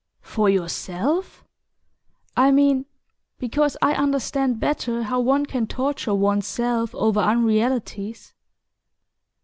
"For yourself?" "I mean, because I understand better how one can torture one's self over unrealities."